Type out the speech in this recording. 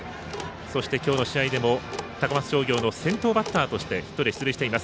そして、今日の試合でも高松商業の先頭バッターとしてヒットで出塁しています。